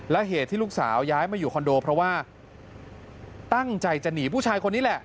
และเหตุที่ลูกสาวย้ายมาอยู่คอนโดเพราะว่าตั้งใจจะหนีผู้ชายคนนี้แหละ